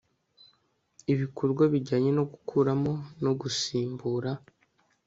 ibikorwa bijyanye no gukuramo no gusimbura